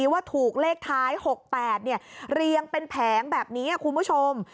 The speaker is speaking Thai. ว่าถูกเลขท้าย๖๘เรียงเป็นแผงแบบนี้คุณผู้ชม